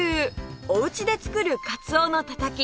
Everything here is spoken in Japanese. おうちで作るかつおのたたき